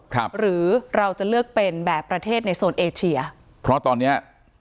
หรือเราจะเลือกเป็นแบบประเทศในโซนเอเชียเพราะตอนเนี้ย